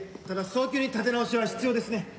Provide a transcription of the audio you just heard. ただ早急に立て直しは必要ですね。